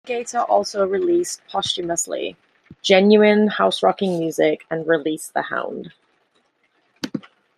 Alligator also released, posthumously, "Genuine Houserocking Music" and "Release the Hound".